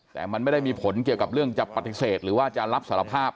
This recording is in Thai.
แต่มันไม่ได้มีผลเกี่ยวกับเรื่องจะปฏิเสธหรือว่าจะรับสารภาพ